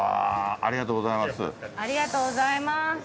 ありがとうございます。